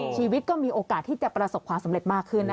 ชีวิตก็มีโอกาสที่จะประสบความสำเร็จมากขึ้น